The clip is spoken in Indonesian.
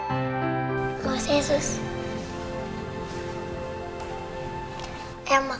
aku sudah mampu